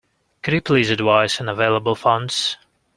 Could you please advise on available funds?